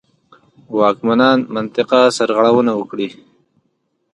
واکمنان منطقه سرغړونه وکړي.